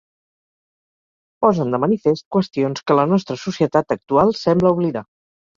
Posen de manifest qüestions que la nostra societat actual sembla oblidar.